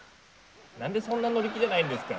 なんでそんな乗り気じゃないんですか？